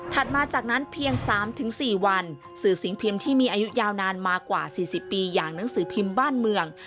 มาจากนั้นเพียง๓๔วันสื่อสิ่งพิมพ์ที่มีอายุยาวนานมากว่า๔๐ปีอย่างหนังสือพิมพ์บ้านเมือง